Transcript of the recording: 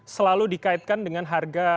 selalu dikaitkan dengan harga